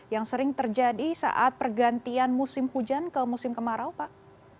yang sering terjadi saat pergantian musim hujan ke musim kemarau pak